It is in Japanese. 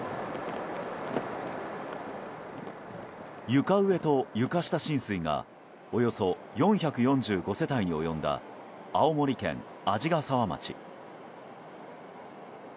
床上と床下浸水がおよそ４４５世帯に及んだ青森県鰺ヶ沢町。